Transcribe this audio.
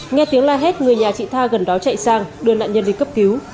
nghe tiếng la hét người nhà chị tha gần đó chạy sang đưa nạn nhân đi cấp cứu